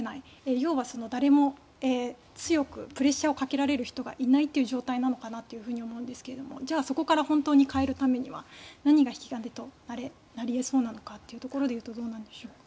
要は誰も強くプレッシャーをかけられる人がいないという状態かなと思うんですけれどもじゃあ、そこから本当に変えるためには何が引き金となり得そうなのかなというところはどうなんでしょう。